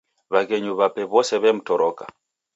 W'aghenyu w'ape w'ose w'emtoroka.